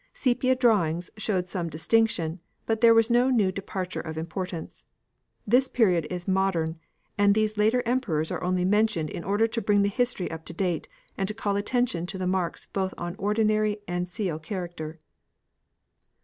Sepia drawings showed some distinction, but there was no new departure of importance. This period is modern, and these later Emperors are only mentioned in order to bring the history up to date, and to call attention to the marks both on ordinary and seal character.